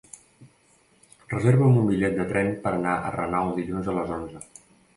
Reserva'm un bitllet de tren per anar a Renau dilluns a les onze.